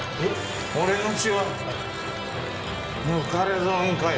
俺の血は抜かれ損かよ。